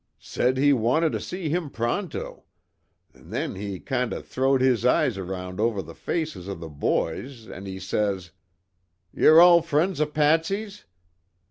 Said he wanted to see him pronto. An' then he kind of throw'd his eyes around over the faces of the boys an' he says: 'You're all friends of Patsy's?'